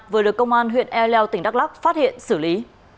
vừa được công an huyện e leo tỉnh đắk lắc phát hiện xử lý